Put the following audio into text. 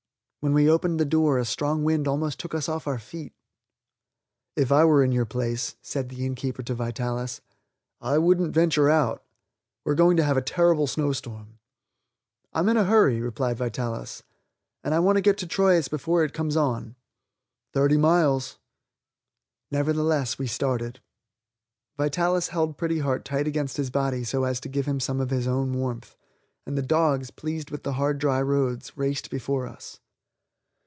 When we opened the door a strong wind almost took us off our feet. "If I were in your place," said the innkeeper to Vitalis, "I wouldn't venture out. We're going to have a terrible snowstorm." "I'm in a hurry," replied Vitalis, "and I want to get to Troyes before it comes on." "Thirty miles." Nevertheless, we started. Vitalis held Pretty Heart tight against his body so as to give him some of his own warmth, and the dogs, pleased with the hard dry roads, raced before us.